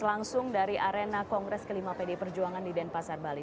langsung dari arena kongres kelima pdi perjuangan di denpasar bali